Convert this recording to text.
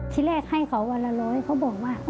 ที่แรกให้เขาวันละร้อยเขาบอกว่า